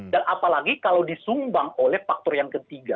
dan apalagi kalau disumbang oleh faktor yang ketiga